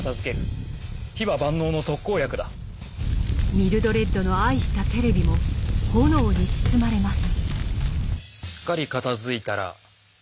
ミルドレッドの愛したテレビも炎に包まれます。